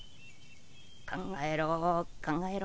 考えろ考えろ。